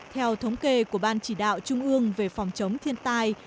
theo thống kê của ban chỉ đạo trung ương về phòng chống thiên tai